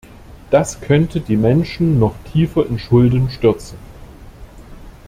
Das könnte die Menschen noch tiefer in Schulden stürzen.